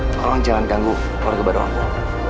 tolong jangan ganggu keluarga baru aku